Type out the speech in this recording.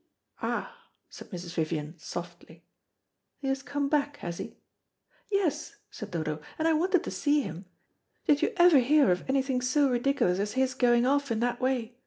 "Ah," said Mrs. Vivian softly, "he has come back, has he?" "Yes," said Dodo, "and I wanted to see him. Did you ever hear of anything so ridiculous as his going off in that way.